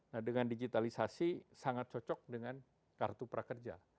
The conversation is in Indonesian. nah dengan digitalisasi sangat cocok dengan kartu prakerja